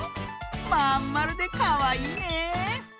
まんまるでかわいいね！